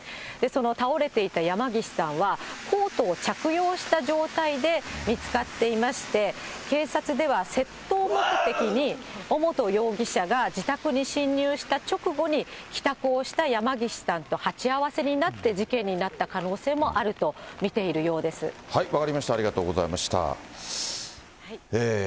倒れていた山岸さんは、コートを着用した状態で見つかっていまして、警察では窃盗目的に尾本容疑者が自宅に侵入した直後に、帰宅をした山岸さんと鉢合わせになって事件になった可能性もある分かりました、ありがとうございました。